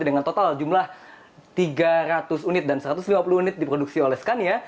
dengan total jumlah tiga ratus unit dan satu ratus lima puluh unit diproduksi oleh skana